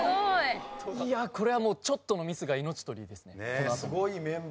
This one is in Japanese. いやこれはもうちょっとのミスが命取りですね